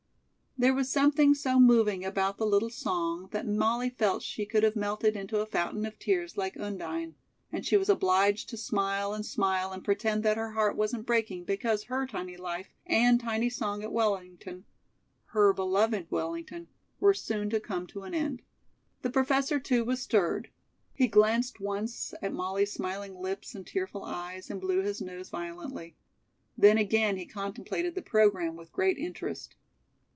'" There was something so moving about the little song that Molly felt she could have melted into a fountain of tears like Undine; and she was obliged to smile and smile and pretend that her heart wasn't breaking because her tiny life and tiny song at Wellington her beloved Wellington were soon to come to an end. The Professor, too, was stirred. He glanced once at Molly's smiling lips and tearful eyes and blew his nose violently. Then again he contemplated the program with great interest.